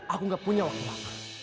aku gak punya waktu lama